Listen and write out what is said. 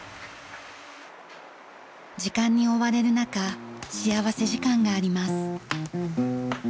時間に追われる中幸福時間があります。